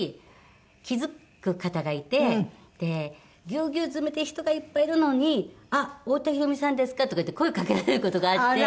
ぎゅうぎゅう詰めで人がいっぱいいるのに「あっ太田裕美さんですか？」とか言って声かけられる事があって。